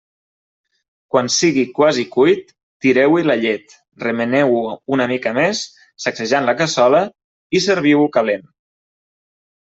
Quan sigui quasi cuit, tireu-hi la llet, remeneu-ho una mica més, sacsejant la cassola, i serviu-ho calent.